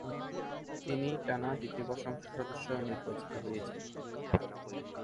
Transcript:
তিনি টানা দ্বিতীয়বার সংসদ সদস্য নির্বাচিত হয়েছেন।